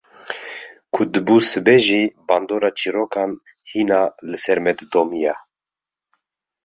Ku dibû sibe jî bandora çîrokan hîna li ser me didomiya.